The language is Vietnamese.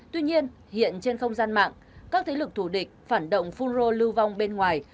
tuy nhiên hiện trên không gian mạng các thế lực thù địch phản động phun rô lưu vong bên ngoài